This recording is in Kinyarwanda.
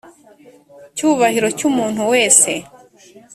cyubahiro cy umuntu wese